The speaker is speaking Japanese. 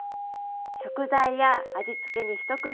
食材や味付けに一工夫。